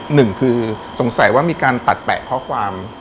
หนึ่งคือสงสัยว่ามีการตัดแปะข้อความ